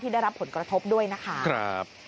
ได้รับผลกระทบด้วยนะคะ